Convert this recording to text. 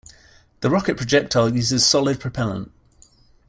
The rocket projectile uses solid propellant.